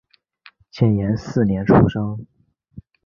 建炎四年出生。